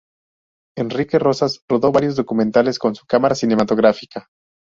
Enrique Rosas, rodó varios documentales con su cámara cinematográfica.